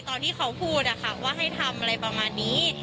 ตอนที่เขาพูดว่าให้ทำอะไรประมาณนี้